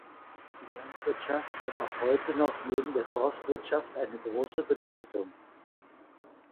Die Landwirtschaft hat auch heute noch neben der Forstwirtschaft eine grosse Bedeutung.